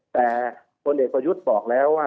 แต่พลเอกประยุทธ์บอกแล้วว่า